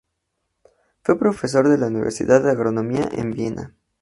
Fue profesor de la Universidad de Agronomía en Viena.